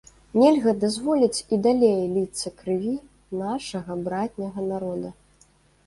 Нельга дазволіць і далей ліцца крыві нашага братняга народа.